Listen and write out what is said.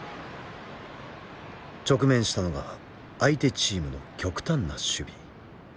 直面したのが相手チームの極端な守備。